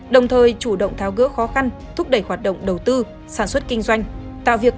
đồng thời chủ động thao gỡ khó khăn